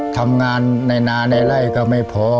ทำงานในนาในไล่ก็ไม่พอ